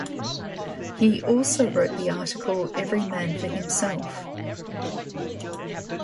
He also wrote the article, Every Man For Himself?